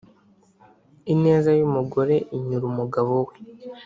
Ineza y’umugore inyura umugabo we,